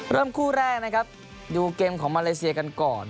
เริ่มคู่แรกนะครับดูเกมของมาเลเซียกันก่อน